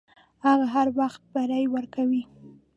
هڅه هر وخت بری ورکوي.